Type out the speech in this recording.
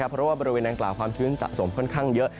เพราะว่าบริเวณดังกล่าวความชื้นสะสมค่อนข้างเยอะ